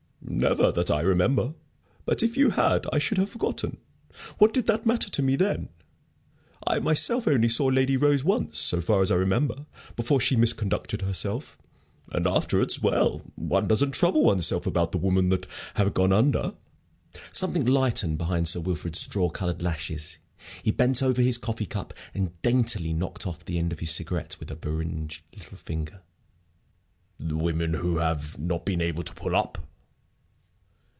"Never, that I remember. But if you had I should have forgotten. What did they matter to me then? I myself only saw Lady Rose once, so far as I remember, before she misconducted herself. And afterwards well, one doesn't trouble one's self about the women that have gone under." Something lightened behind Sir Wilfrid's straw colored lashes. He bent over his coffee cup and daintily knocked off the end of his cigarette with a beringed little finger. "The women who have not been able to pull up?"